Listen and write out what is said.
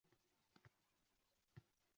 Sanʼat dargʻasiga ehtirom